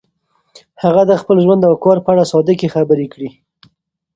هغې د خپل ژوند او کار په اړه صادقې خبرې کړي.